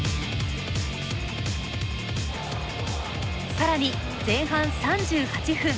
さらに前半３８分。